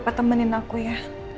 bapak temanin aku ya